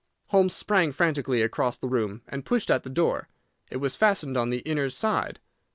Holmes sprang frantically across the room and pushed at the door. It was fastened on the inner side.